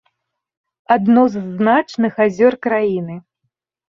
Адно з значных азёр краіны.